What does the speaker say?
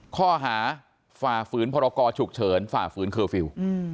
ข้อหาฝ่าฝืนพรกรฉุกเฉินฝ่าฝืนเคอร์ฟิลล์